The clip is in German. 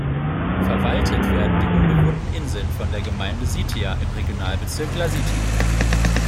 Verwaltet werden die unbewohnten Inseln von der Gemeinde Sitia im Regionalbezirk Lasithi.